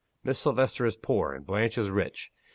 Miss Silvester is poor; and Blanche is rich.